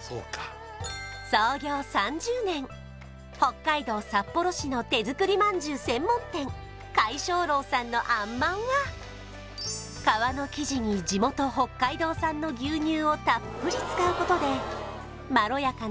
そうか北海道札幌市の手作りまんじゅう専門店皆招楼さんのあんまんは皮の生地に地元・北海道産の牛乳をたっぷり使うことでまろやかなミルクのコクと